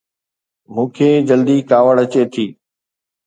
مون کي جلدي ڪاوڙ اچي ٿي